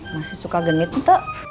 masih suka genit tuh